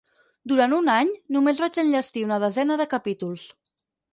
Durant un any només vaig enllestir una desena de capítols.